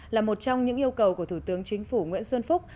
là một trong những yêu cầu của thủ tướng chính phủ nguyễn xuân phúc